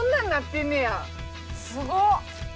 すごっ。